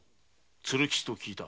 鶴吉と聞いた。